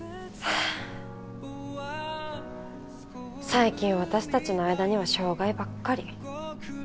最近私たちの間には障害ばっかり。